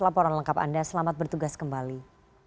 laporan lengkap anda selamat bertugas kembali